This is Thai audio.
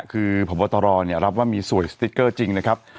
คือพบตรรับว่ามีสวยสติ๊กเกอร์จริงนะครับ